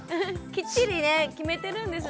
きっちりね決めてるんですね。